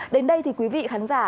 đến đây thì quý vị khán giả